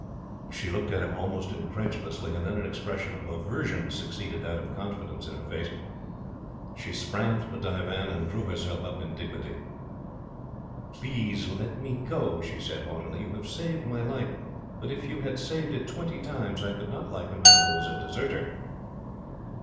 She looked at him almost incredulously, and then an expression of aversion succeeded that of confidence in her face. She sprang from the divan, and drew herself up indignantly. "Please let me go," she said haughtily. "You have saved my life, but if you had saved it twenty times, I could not like a man who is a deserter!"